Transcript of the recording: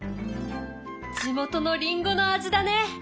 地元のりんごの味だね！